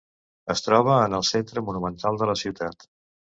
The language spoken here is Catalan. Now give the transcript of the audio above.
Es troba en el centre monumental de la ciutat.